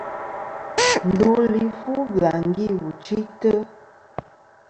Ndu li fu bɨlàŋgi wù chɨytɨ.